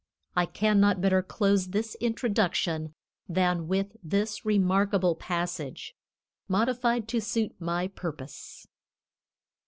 I cannot better close this introduction than with this remarkable passage, modified to suit my purpose.